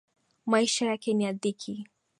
Maisha yake ni ya dhiki.